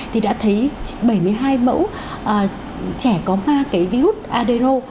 thì đã thấy bảy mươi hai mẫu trẻ có ba cái virus adeo